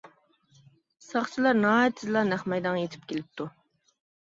ساقچىلار ناھايىتى تېزلا نەق مەيدانغا يىتىپ كېلىپتۇ.